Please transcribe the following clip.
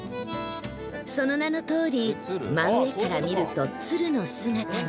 その名のとおり真上から見ると鶴の姿が